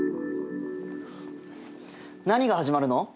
何が始まるの？